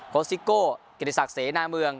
โค้ชซิโก้เกณฑศักดิ์เสนาเมือง